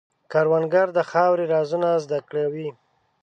کروندګر د خاورې رازونه زده کوي